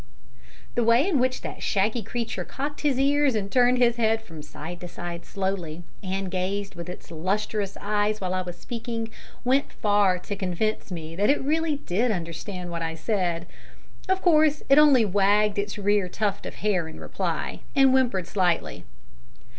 The way in which that shaggy creature cocked its ears and turned its head from side to side slowly, and gazed with its lustrous eyes while I was speaking, went far to convince me it really did understand what I said. Of course it only wagged its rear tuft of hair in reply, and whimpered slightly.